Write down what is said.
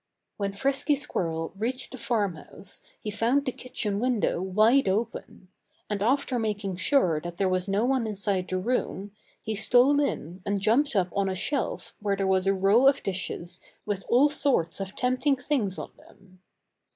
When Frisky Squirrel reached the farmhouse he found the kitchen window wide open. And after making sure that there was no one inside the room, he stole in and jumped up on a shelf where there was a row of dishes with all sorts of tempting things on them.